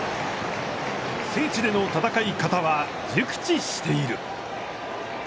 聖地での戦いは、熟知している。